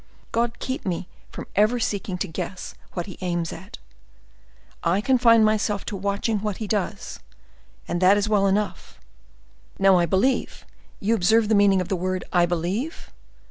God keep me from ever seeking to guess what he aims at; I confine myself to watching what he does, and that is well enough. Now I believe—you observe the meaning of the word I believe?